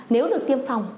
nếu được tiêm phòng